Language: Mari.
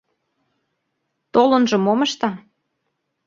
Толынжо мом ышта?